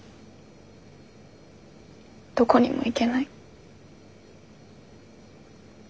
どこにも行けない。